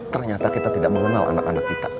ternyata kita tidak mengenal anak anak kita